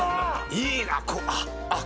いいなっ！